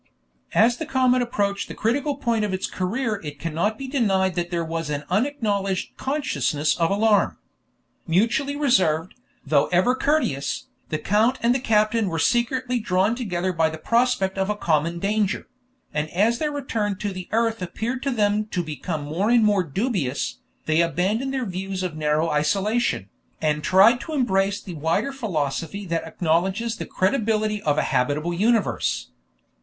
As the comet approached the critical point of its career it cannot be denied that there was an unacknowledged consciousness of alarm. Mutually reserved, though ever courteous, the count and the captain were secretly drawn together by the prospect of a common danger; and as their return to the earth appeared to them to become more and more dubious, they abandoned their views of narrow isolation, and tried to embrace the wider philosophy that acknowledges the credibility of a habitable universe.